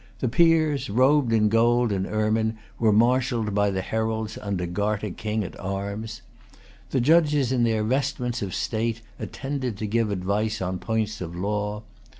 The peers, robed in gold and ermine, were marshalled by the heralds under Garter King at arms. The judges in their vestments of state attended to give advice on points of law.